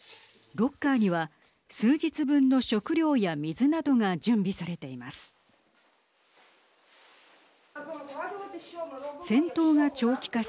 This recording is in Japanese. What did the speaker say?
ロッカーには数日分の食料や水などが準備されています。